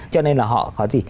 cho nên là họ có gì